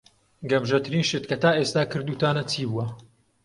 گەمژەترین شت کە تا ئێستا کردووتانە چی بووە؟